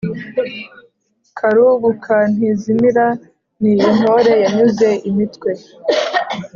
Karugu ka Ntizimira ni Intore yanyuze imitwe